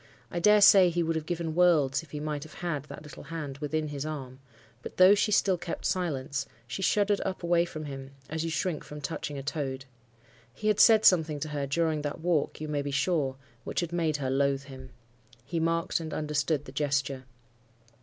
I dare say he would have given worlds if he might have had that little hand within his arm; but, though she still kept silence, she shuddered up away from him, as you shrink from touching a toad. He had said something to her during that walk, you may be sure, which had made her loathe him. He marked and understood the gesture.